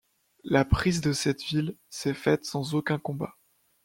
La prise de cette ville s'est faite sans aucun combat.